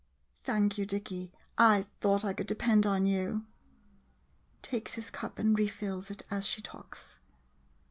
Thank you, Dicky, I thought I could de pend on you. [Takes his cup and refills it as she talks.